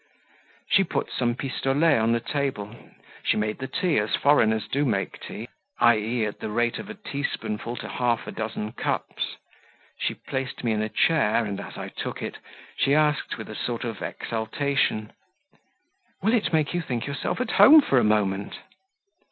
She put some pistolets on the table; she made the tea, as foreigners do make tea i.e., at the rate of a teaspoonful to half a dozen cups; she placed me a chair, and, as I took it, she asked, with a sort of exaltation "Will it make you think yourself at home for a moment?"